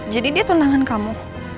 jadi dia tundangan kamu